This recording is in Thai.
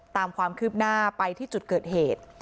ตามความคืบหน้าไปที่จุดเกิดเหตุ